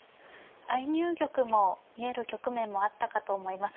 相入玉も見える局面もあったかと思います。